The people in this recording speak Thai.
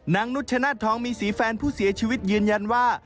นุชชนาธทองมีศรีแฟนผู้เสียชีวิตยืนยันว่า